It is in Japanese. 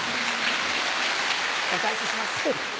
お返しします。